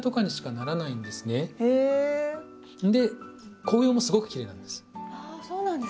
で紅葉もすごくきれいなんです。